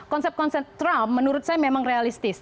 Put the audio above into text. konsep konsep trump menurut saya memang realistis